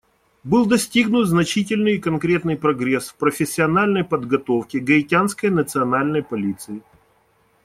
Был достигнут значительный и конкретный прогресс в профессиональной подготовке Гаитянской национальной полиции.